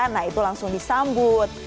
nah itu langsung disambut